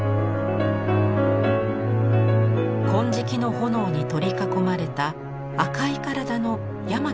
金色の炎に取り囲まれた赤い体の日本武尊。